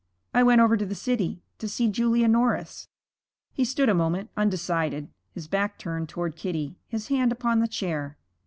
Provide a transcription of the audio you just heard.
'I went over to the city to see Julia Norris.' He stood a moment, undecided, his back turned toward Kitty, his hand upon the chair.